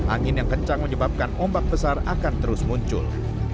angin yang kencang menyebabkan ombak besar akan terus muncul